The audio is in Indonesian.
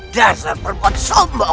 dasar perempuan sombong